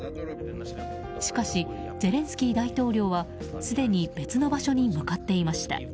しかし、ゼレンスキー大統領はすでに別の場所に向かっていました。